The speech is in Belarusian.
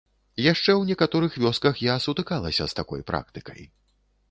Яшчэ ў некаторых вёсках я сутыкалася з такой практыкай.